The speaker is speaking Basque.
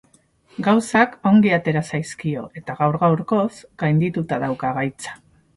Gauzak ongi atera zaizkio eta gaur-gaurkoz gainditua dauka gaitza.